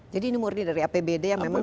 jadi ini murni dari apbd yang memang